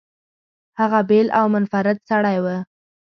هغه بېل او منفرد سړی و.